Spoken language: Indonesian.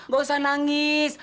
gak usah nangis